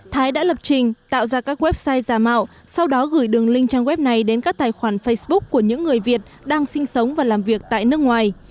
thái đã lập trình tạo ra các website giả mạo sau đó gửi đường link trang web này đến các tài khoản facebook của những người việt đang sinh sống và làm việc tại nước ngoài